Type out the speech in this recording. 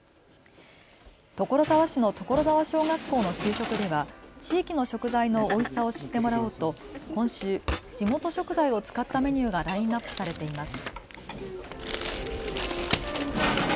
所沢市の所沢小学校の給食では地域の食材のおいしさを知ってもらおうと今週、地元食材を使ったメニューがラインナップされています。